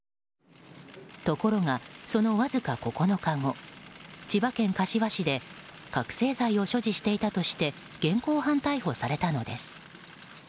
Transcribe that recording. ところが、そのわずか９日後千葉県柏市で覚醒剤を所持していたとして現行犯逮捕されたのです。